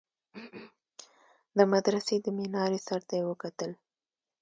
د مدرسې د مينارې سر ته يې وكتل.